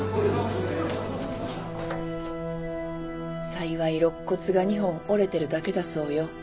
幸い肋骨が２本折れてるだけだそうよ。